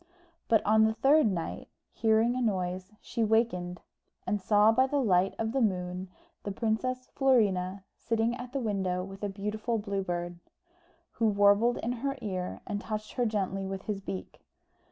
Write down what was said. But on the third night, hearing a noise, she wakened, and saw by the light of the moon the Princess Florina sitting at the window with a beautiful Blue Bird, who warbled in her ear and touched her gently with his beak.